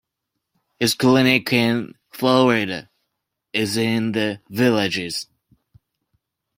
His clinic in Florida is in The Villages.